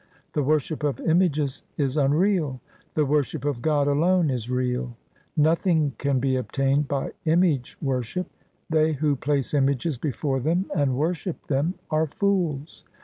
The worship of images is unreal : the worship of God alone is real. Nothing can be obtained by image worship They who place images before them and worship them are fools.